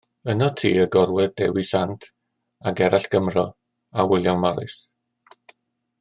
Ynot ti y gorwedd Dewi Sant a Gerald Gymro a William Morris.